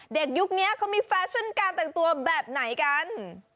ยุคนี้เขามีแฟชั่นการแต่งตัวแบบไหนกัน